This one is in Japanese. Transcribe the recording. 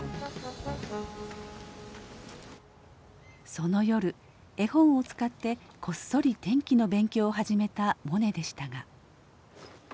その夜絵本を使ってこっそり天気の勉強を始めたモネでしたが。